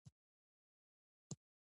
زه د نوښت په لټه کې نه یم.